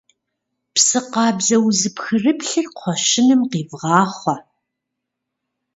Псы къабзэ, узыпхырыплъыр кхъуэщыным къивгъахъуэ.